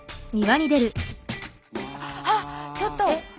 あっちょっと！